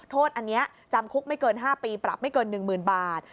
โทษอันนี้จำคุกไม่เกิน๕ปีปรับไม่เกิน๑๐๐๐บาท